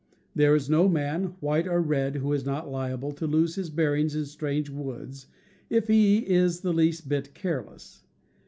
There is no man, white or red, who is not liable to lose his bear ings in strange woods if he is the least bit careless.